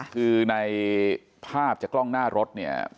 คือในภาพจากกล้องหน้ารถ